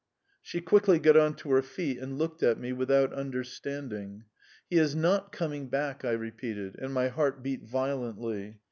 She quickly got on to her feet, and looked at me without understanding. "He is not coming back," I repeated, and my heart beat violently.